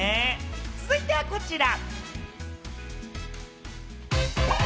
続いてはこちら。